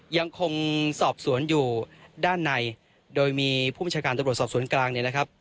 ยังคงสอบสวนอยู่ด้านในโดยมีผู้บัญชาการตำรวจสอบสวนกลางเนี่ยนะครับ